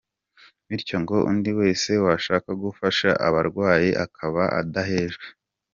Bityo ngo undi wese washaka gufasha abarawayi akaba adahejwe.